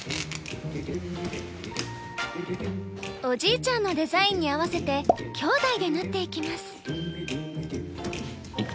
おじいちゃんのデザインに合わせて姉弟で縫っていきます。